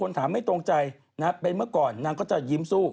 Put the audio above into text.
นางก็จะยิ้มสู้